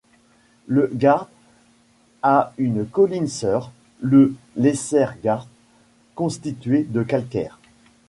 Le Garth a une colline sœur, le Lesser Garth, constituée de calcaire.